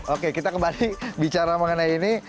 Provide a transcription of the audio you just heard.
oke kita kembali bicara mengenai ini